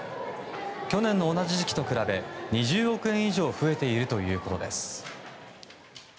去年の同じ時期と比べ２０億円以上増えているということです。